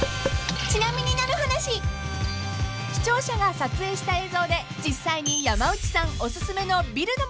［視聴者が撮影した映像で実際に山内さんおすすめの］